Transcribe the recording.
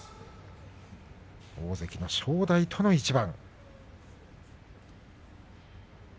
大関の正代との一番。